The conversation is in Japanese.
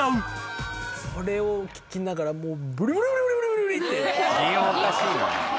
それを聞きながらもう。